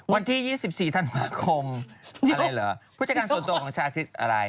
วันที่๒๔ธันหวัคมอะไรเหรอ